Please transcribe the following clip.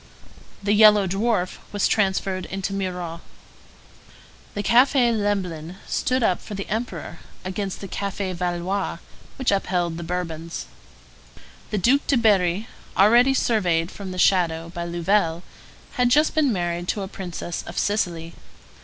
The Yellow Dwarf was transferred into Mirror. The Café Lemblin stood up for the Emperor, against the Café Valois, which upheld the Bourbons. The Duc de Berri, already surveyed from the shadow by Louvel, had just been married to a princess of Sicily.